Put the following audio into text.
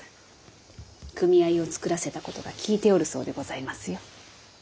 組合を作らせたことが効いておるそうでございますよ。